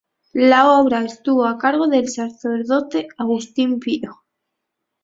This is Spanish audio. La obra estuvo a cargo del sacerdote Agustín Pío.